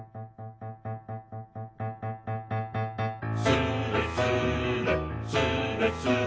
「スレスレスレスレ」